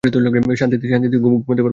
শান্তিতে ঘুমাতে পারবেন ওপারে গিয়ে!